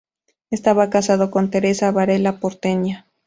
Estaba casado con Teresa Varela, porteña.